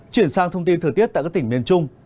chuyển sang thông tin thời tiết tại các tỉnh miền trung